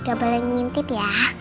gak boleh ngintip ya